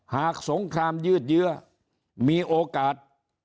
หากสงครามยืดเยอะมีโอกาส